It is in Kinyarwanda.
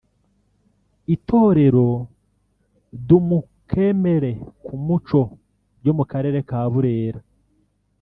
Itorero Dumokemere ku muco ryo mu Karere ka Burera